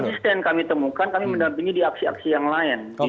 konsisten kami temukan kami mendampingi di aksi aksi yang lain